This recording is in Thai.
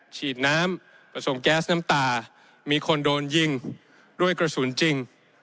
ฉีดน้ำผสมแก๊สน้ำตามีคนโดนยิงด้วยกระสุนจริง